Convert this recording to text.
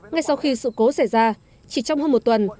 ngay sau khi sự cố xảy ra chỉ trong hơn một tuần